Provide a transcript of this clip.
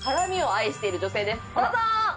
どうぞ！